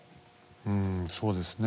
うんそうですね